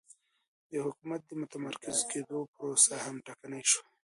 د حکومت د متمرکز کېدو پروسه هم ټکنۍ شوه